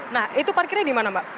nah itu parkirnya di mana mbak